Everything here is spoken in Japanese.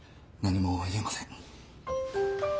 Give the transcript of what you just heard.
何も言えません。